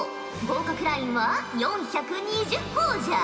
合格ラインは４２０ほぉじゃ。